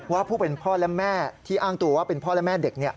ว่าผู้เป็นพ่อและแม่ที่อ้างตัวว่าเป็นพ่อและแม่เด็ก